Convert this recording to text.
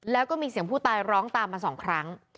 แล้วก็มีเสียงผู้ตายร้องตามมาสองครั้ง